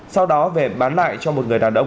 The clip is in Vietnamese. sau đó về bán lại cho một người đàn ông